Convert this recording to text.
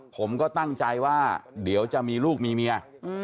ผมก็ตั้งใจว่าเดี๋ยวจะมีลูกมีเมีย